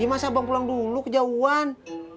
iya masa abang pulang dulu kejauhan